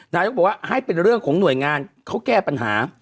นายกบอกว่าให้เป็นเรื่องของหน่วยงานเขาแก้ปัญหา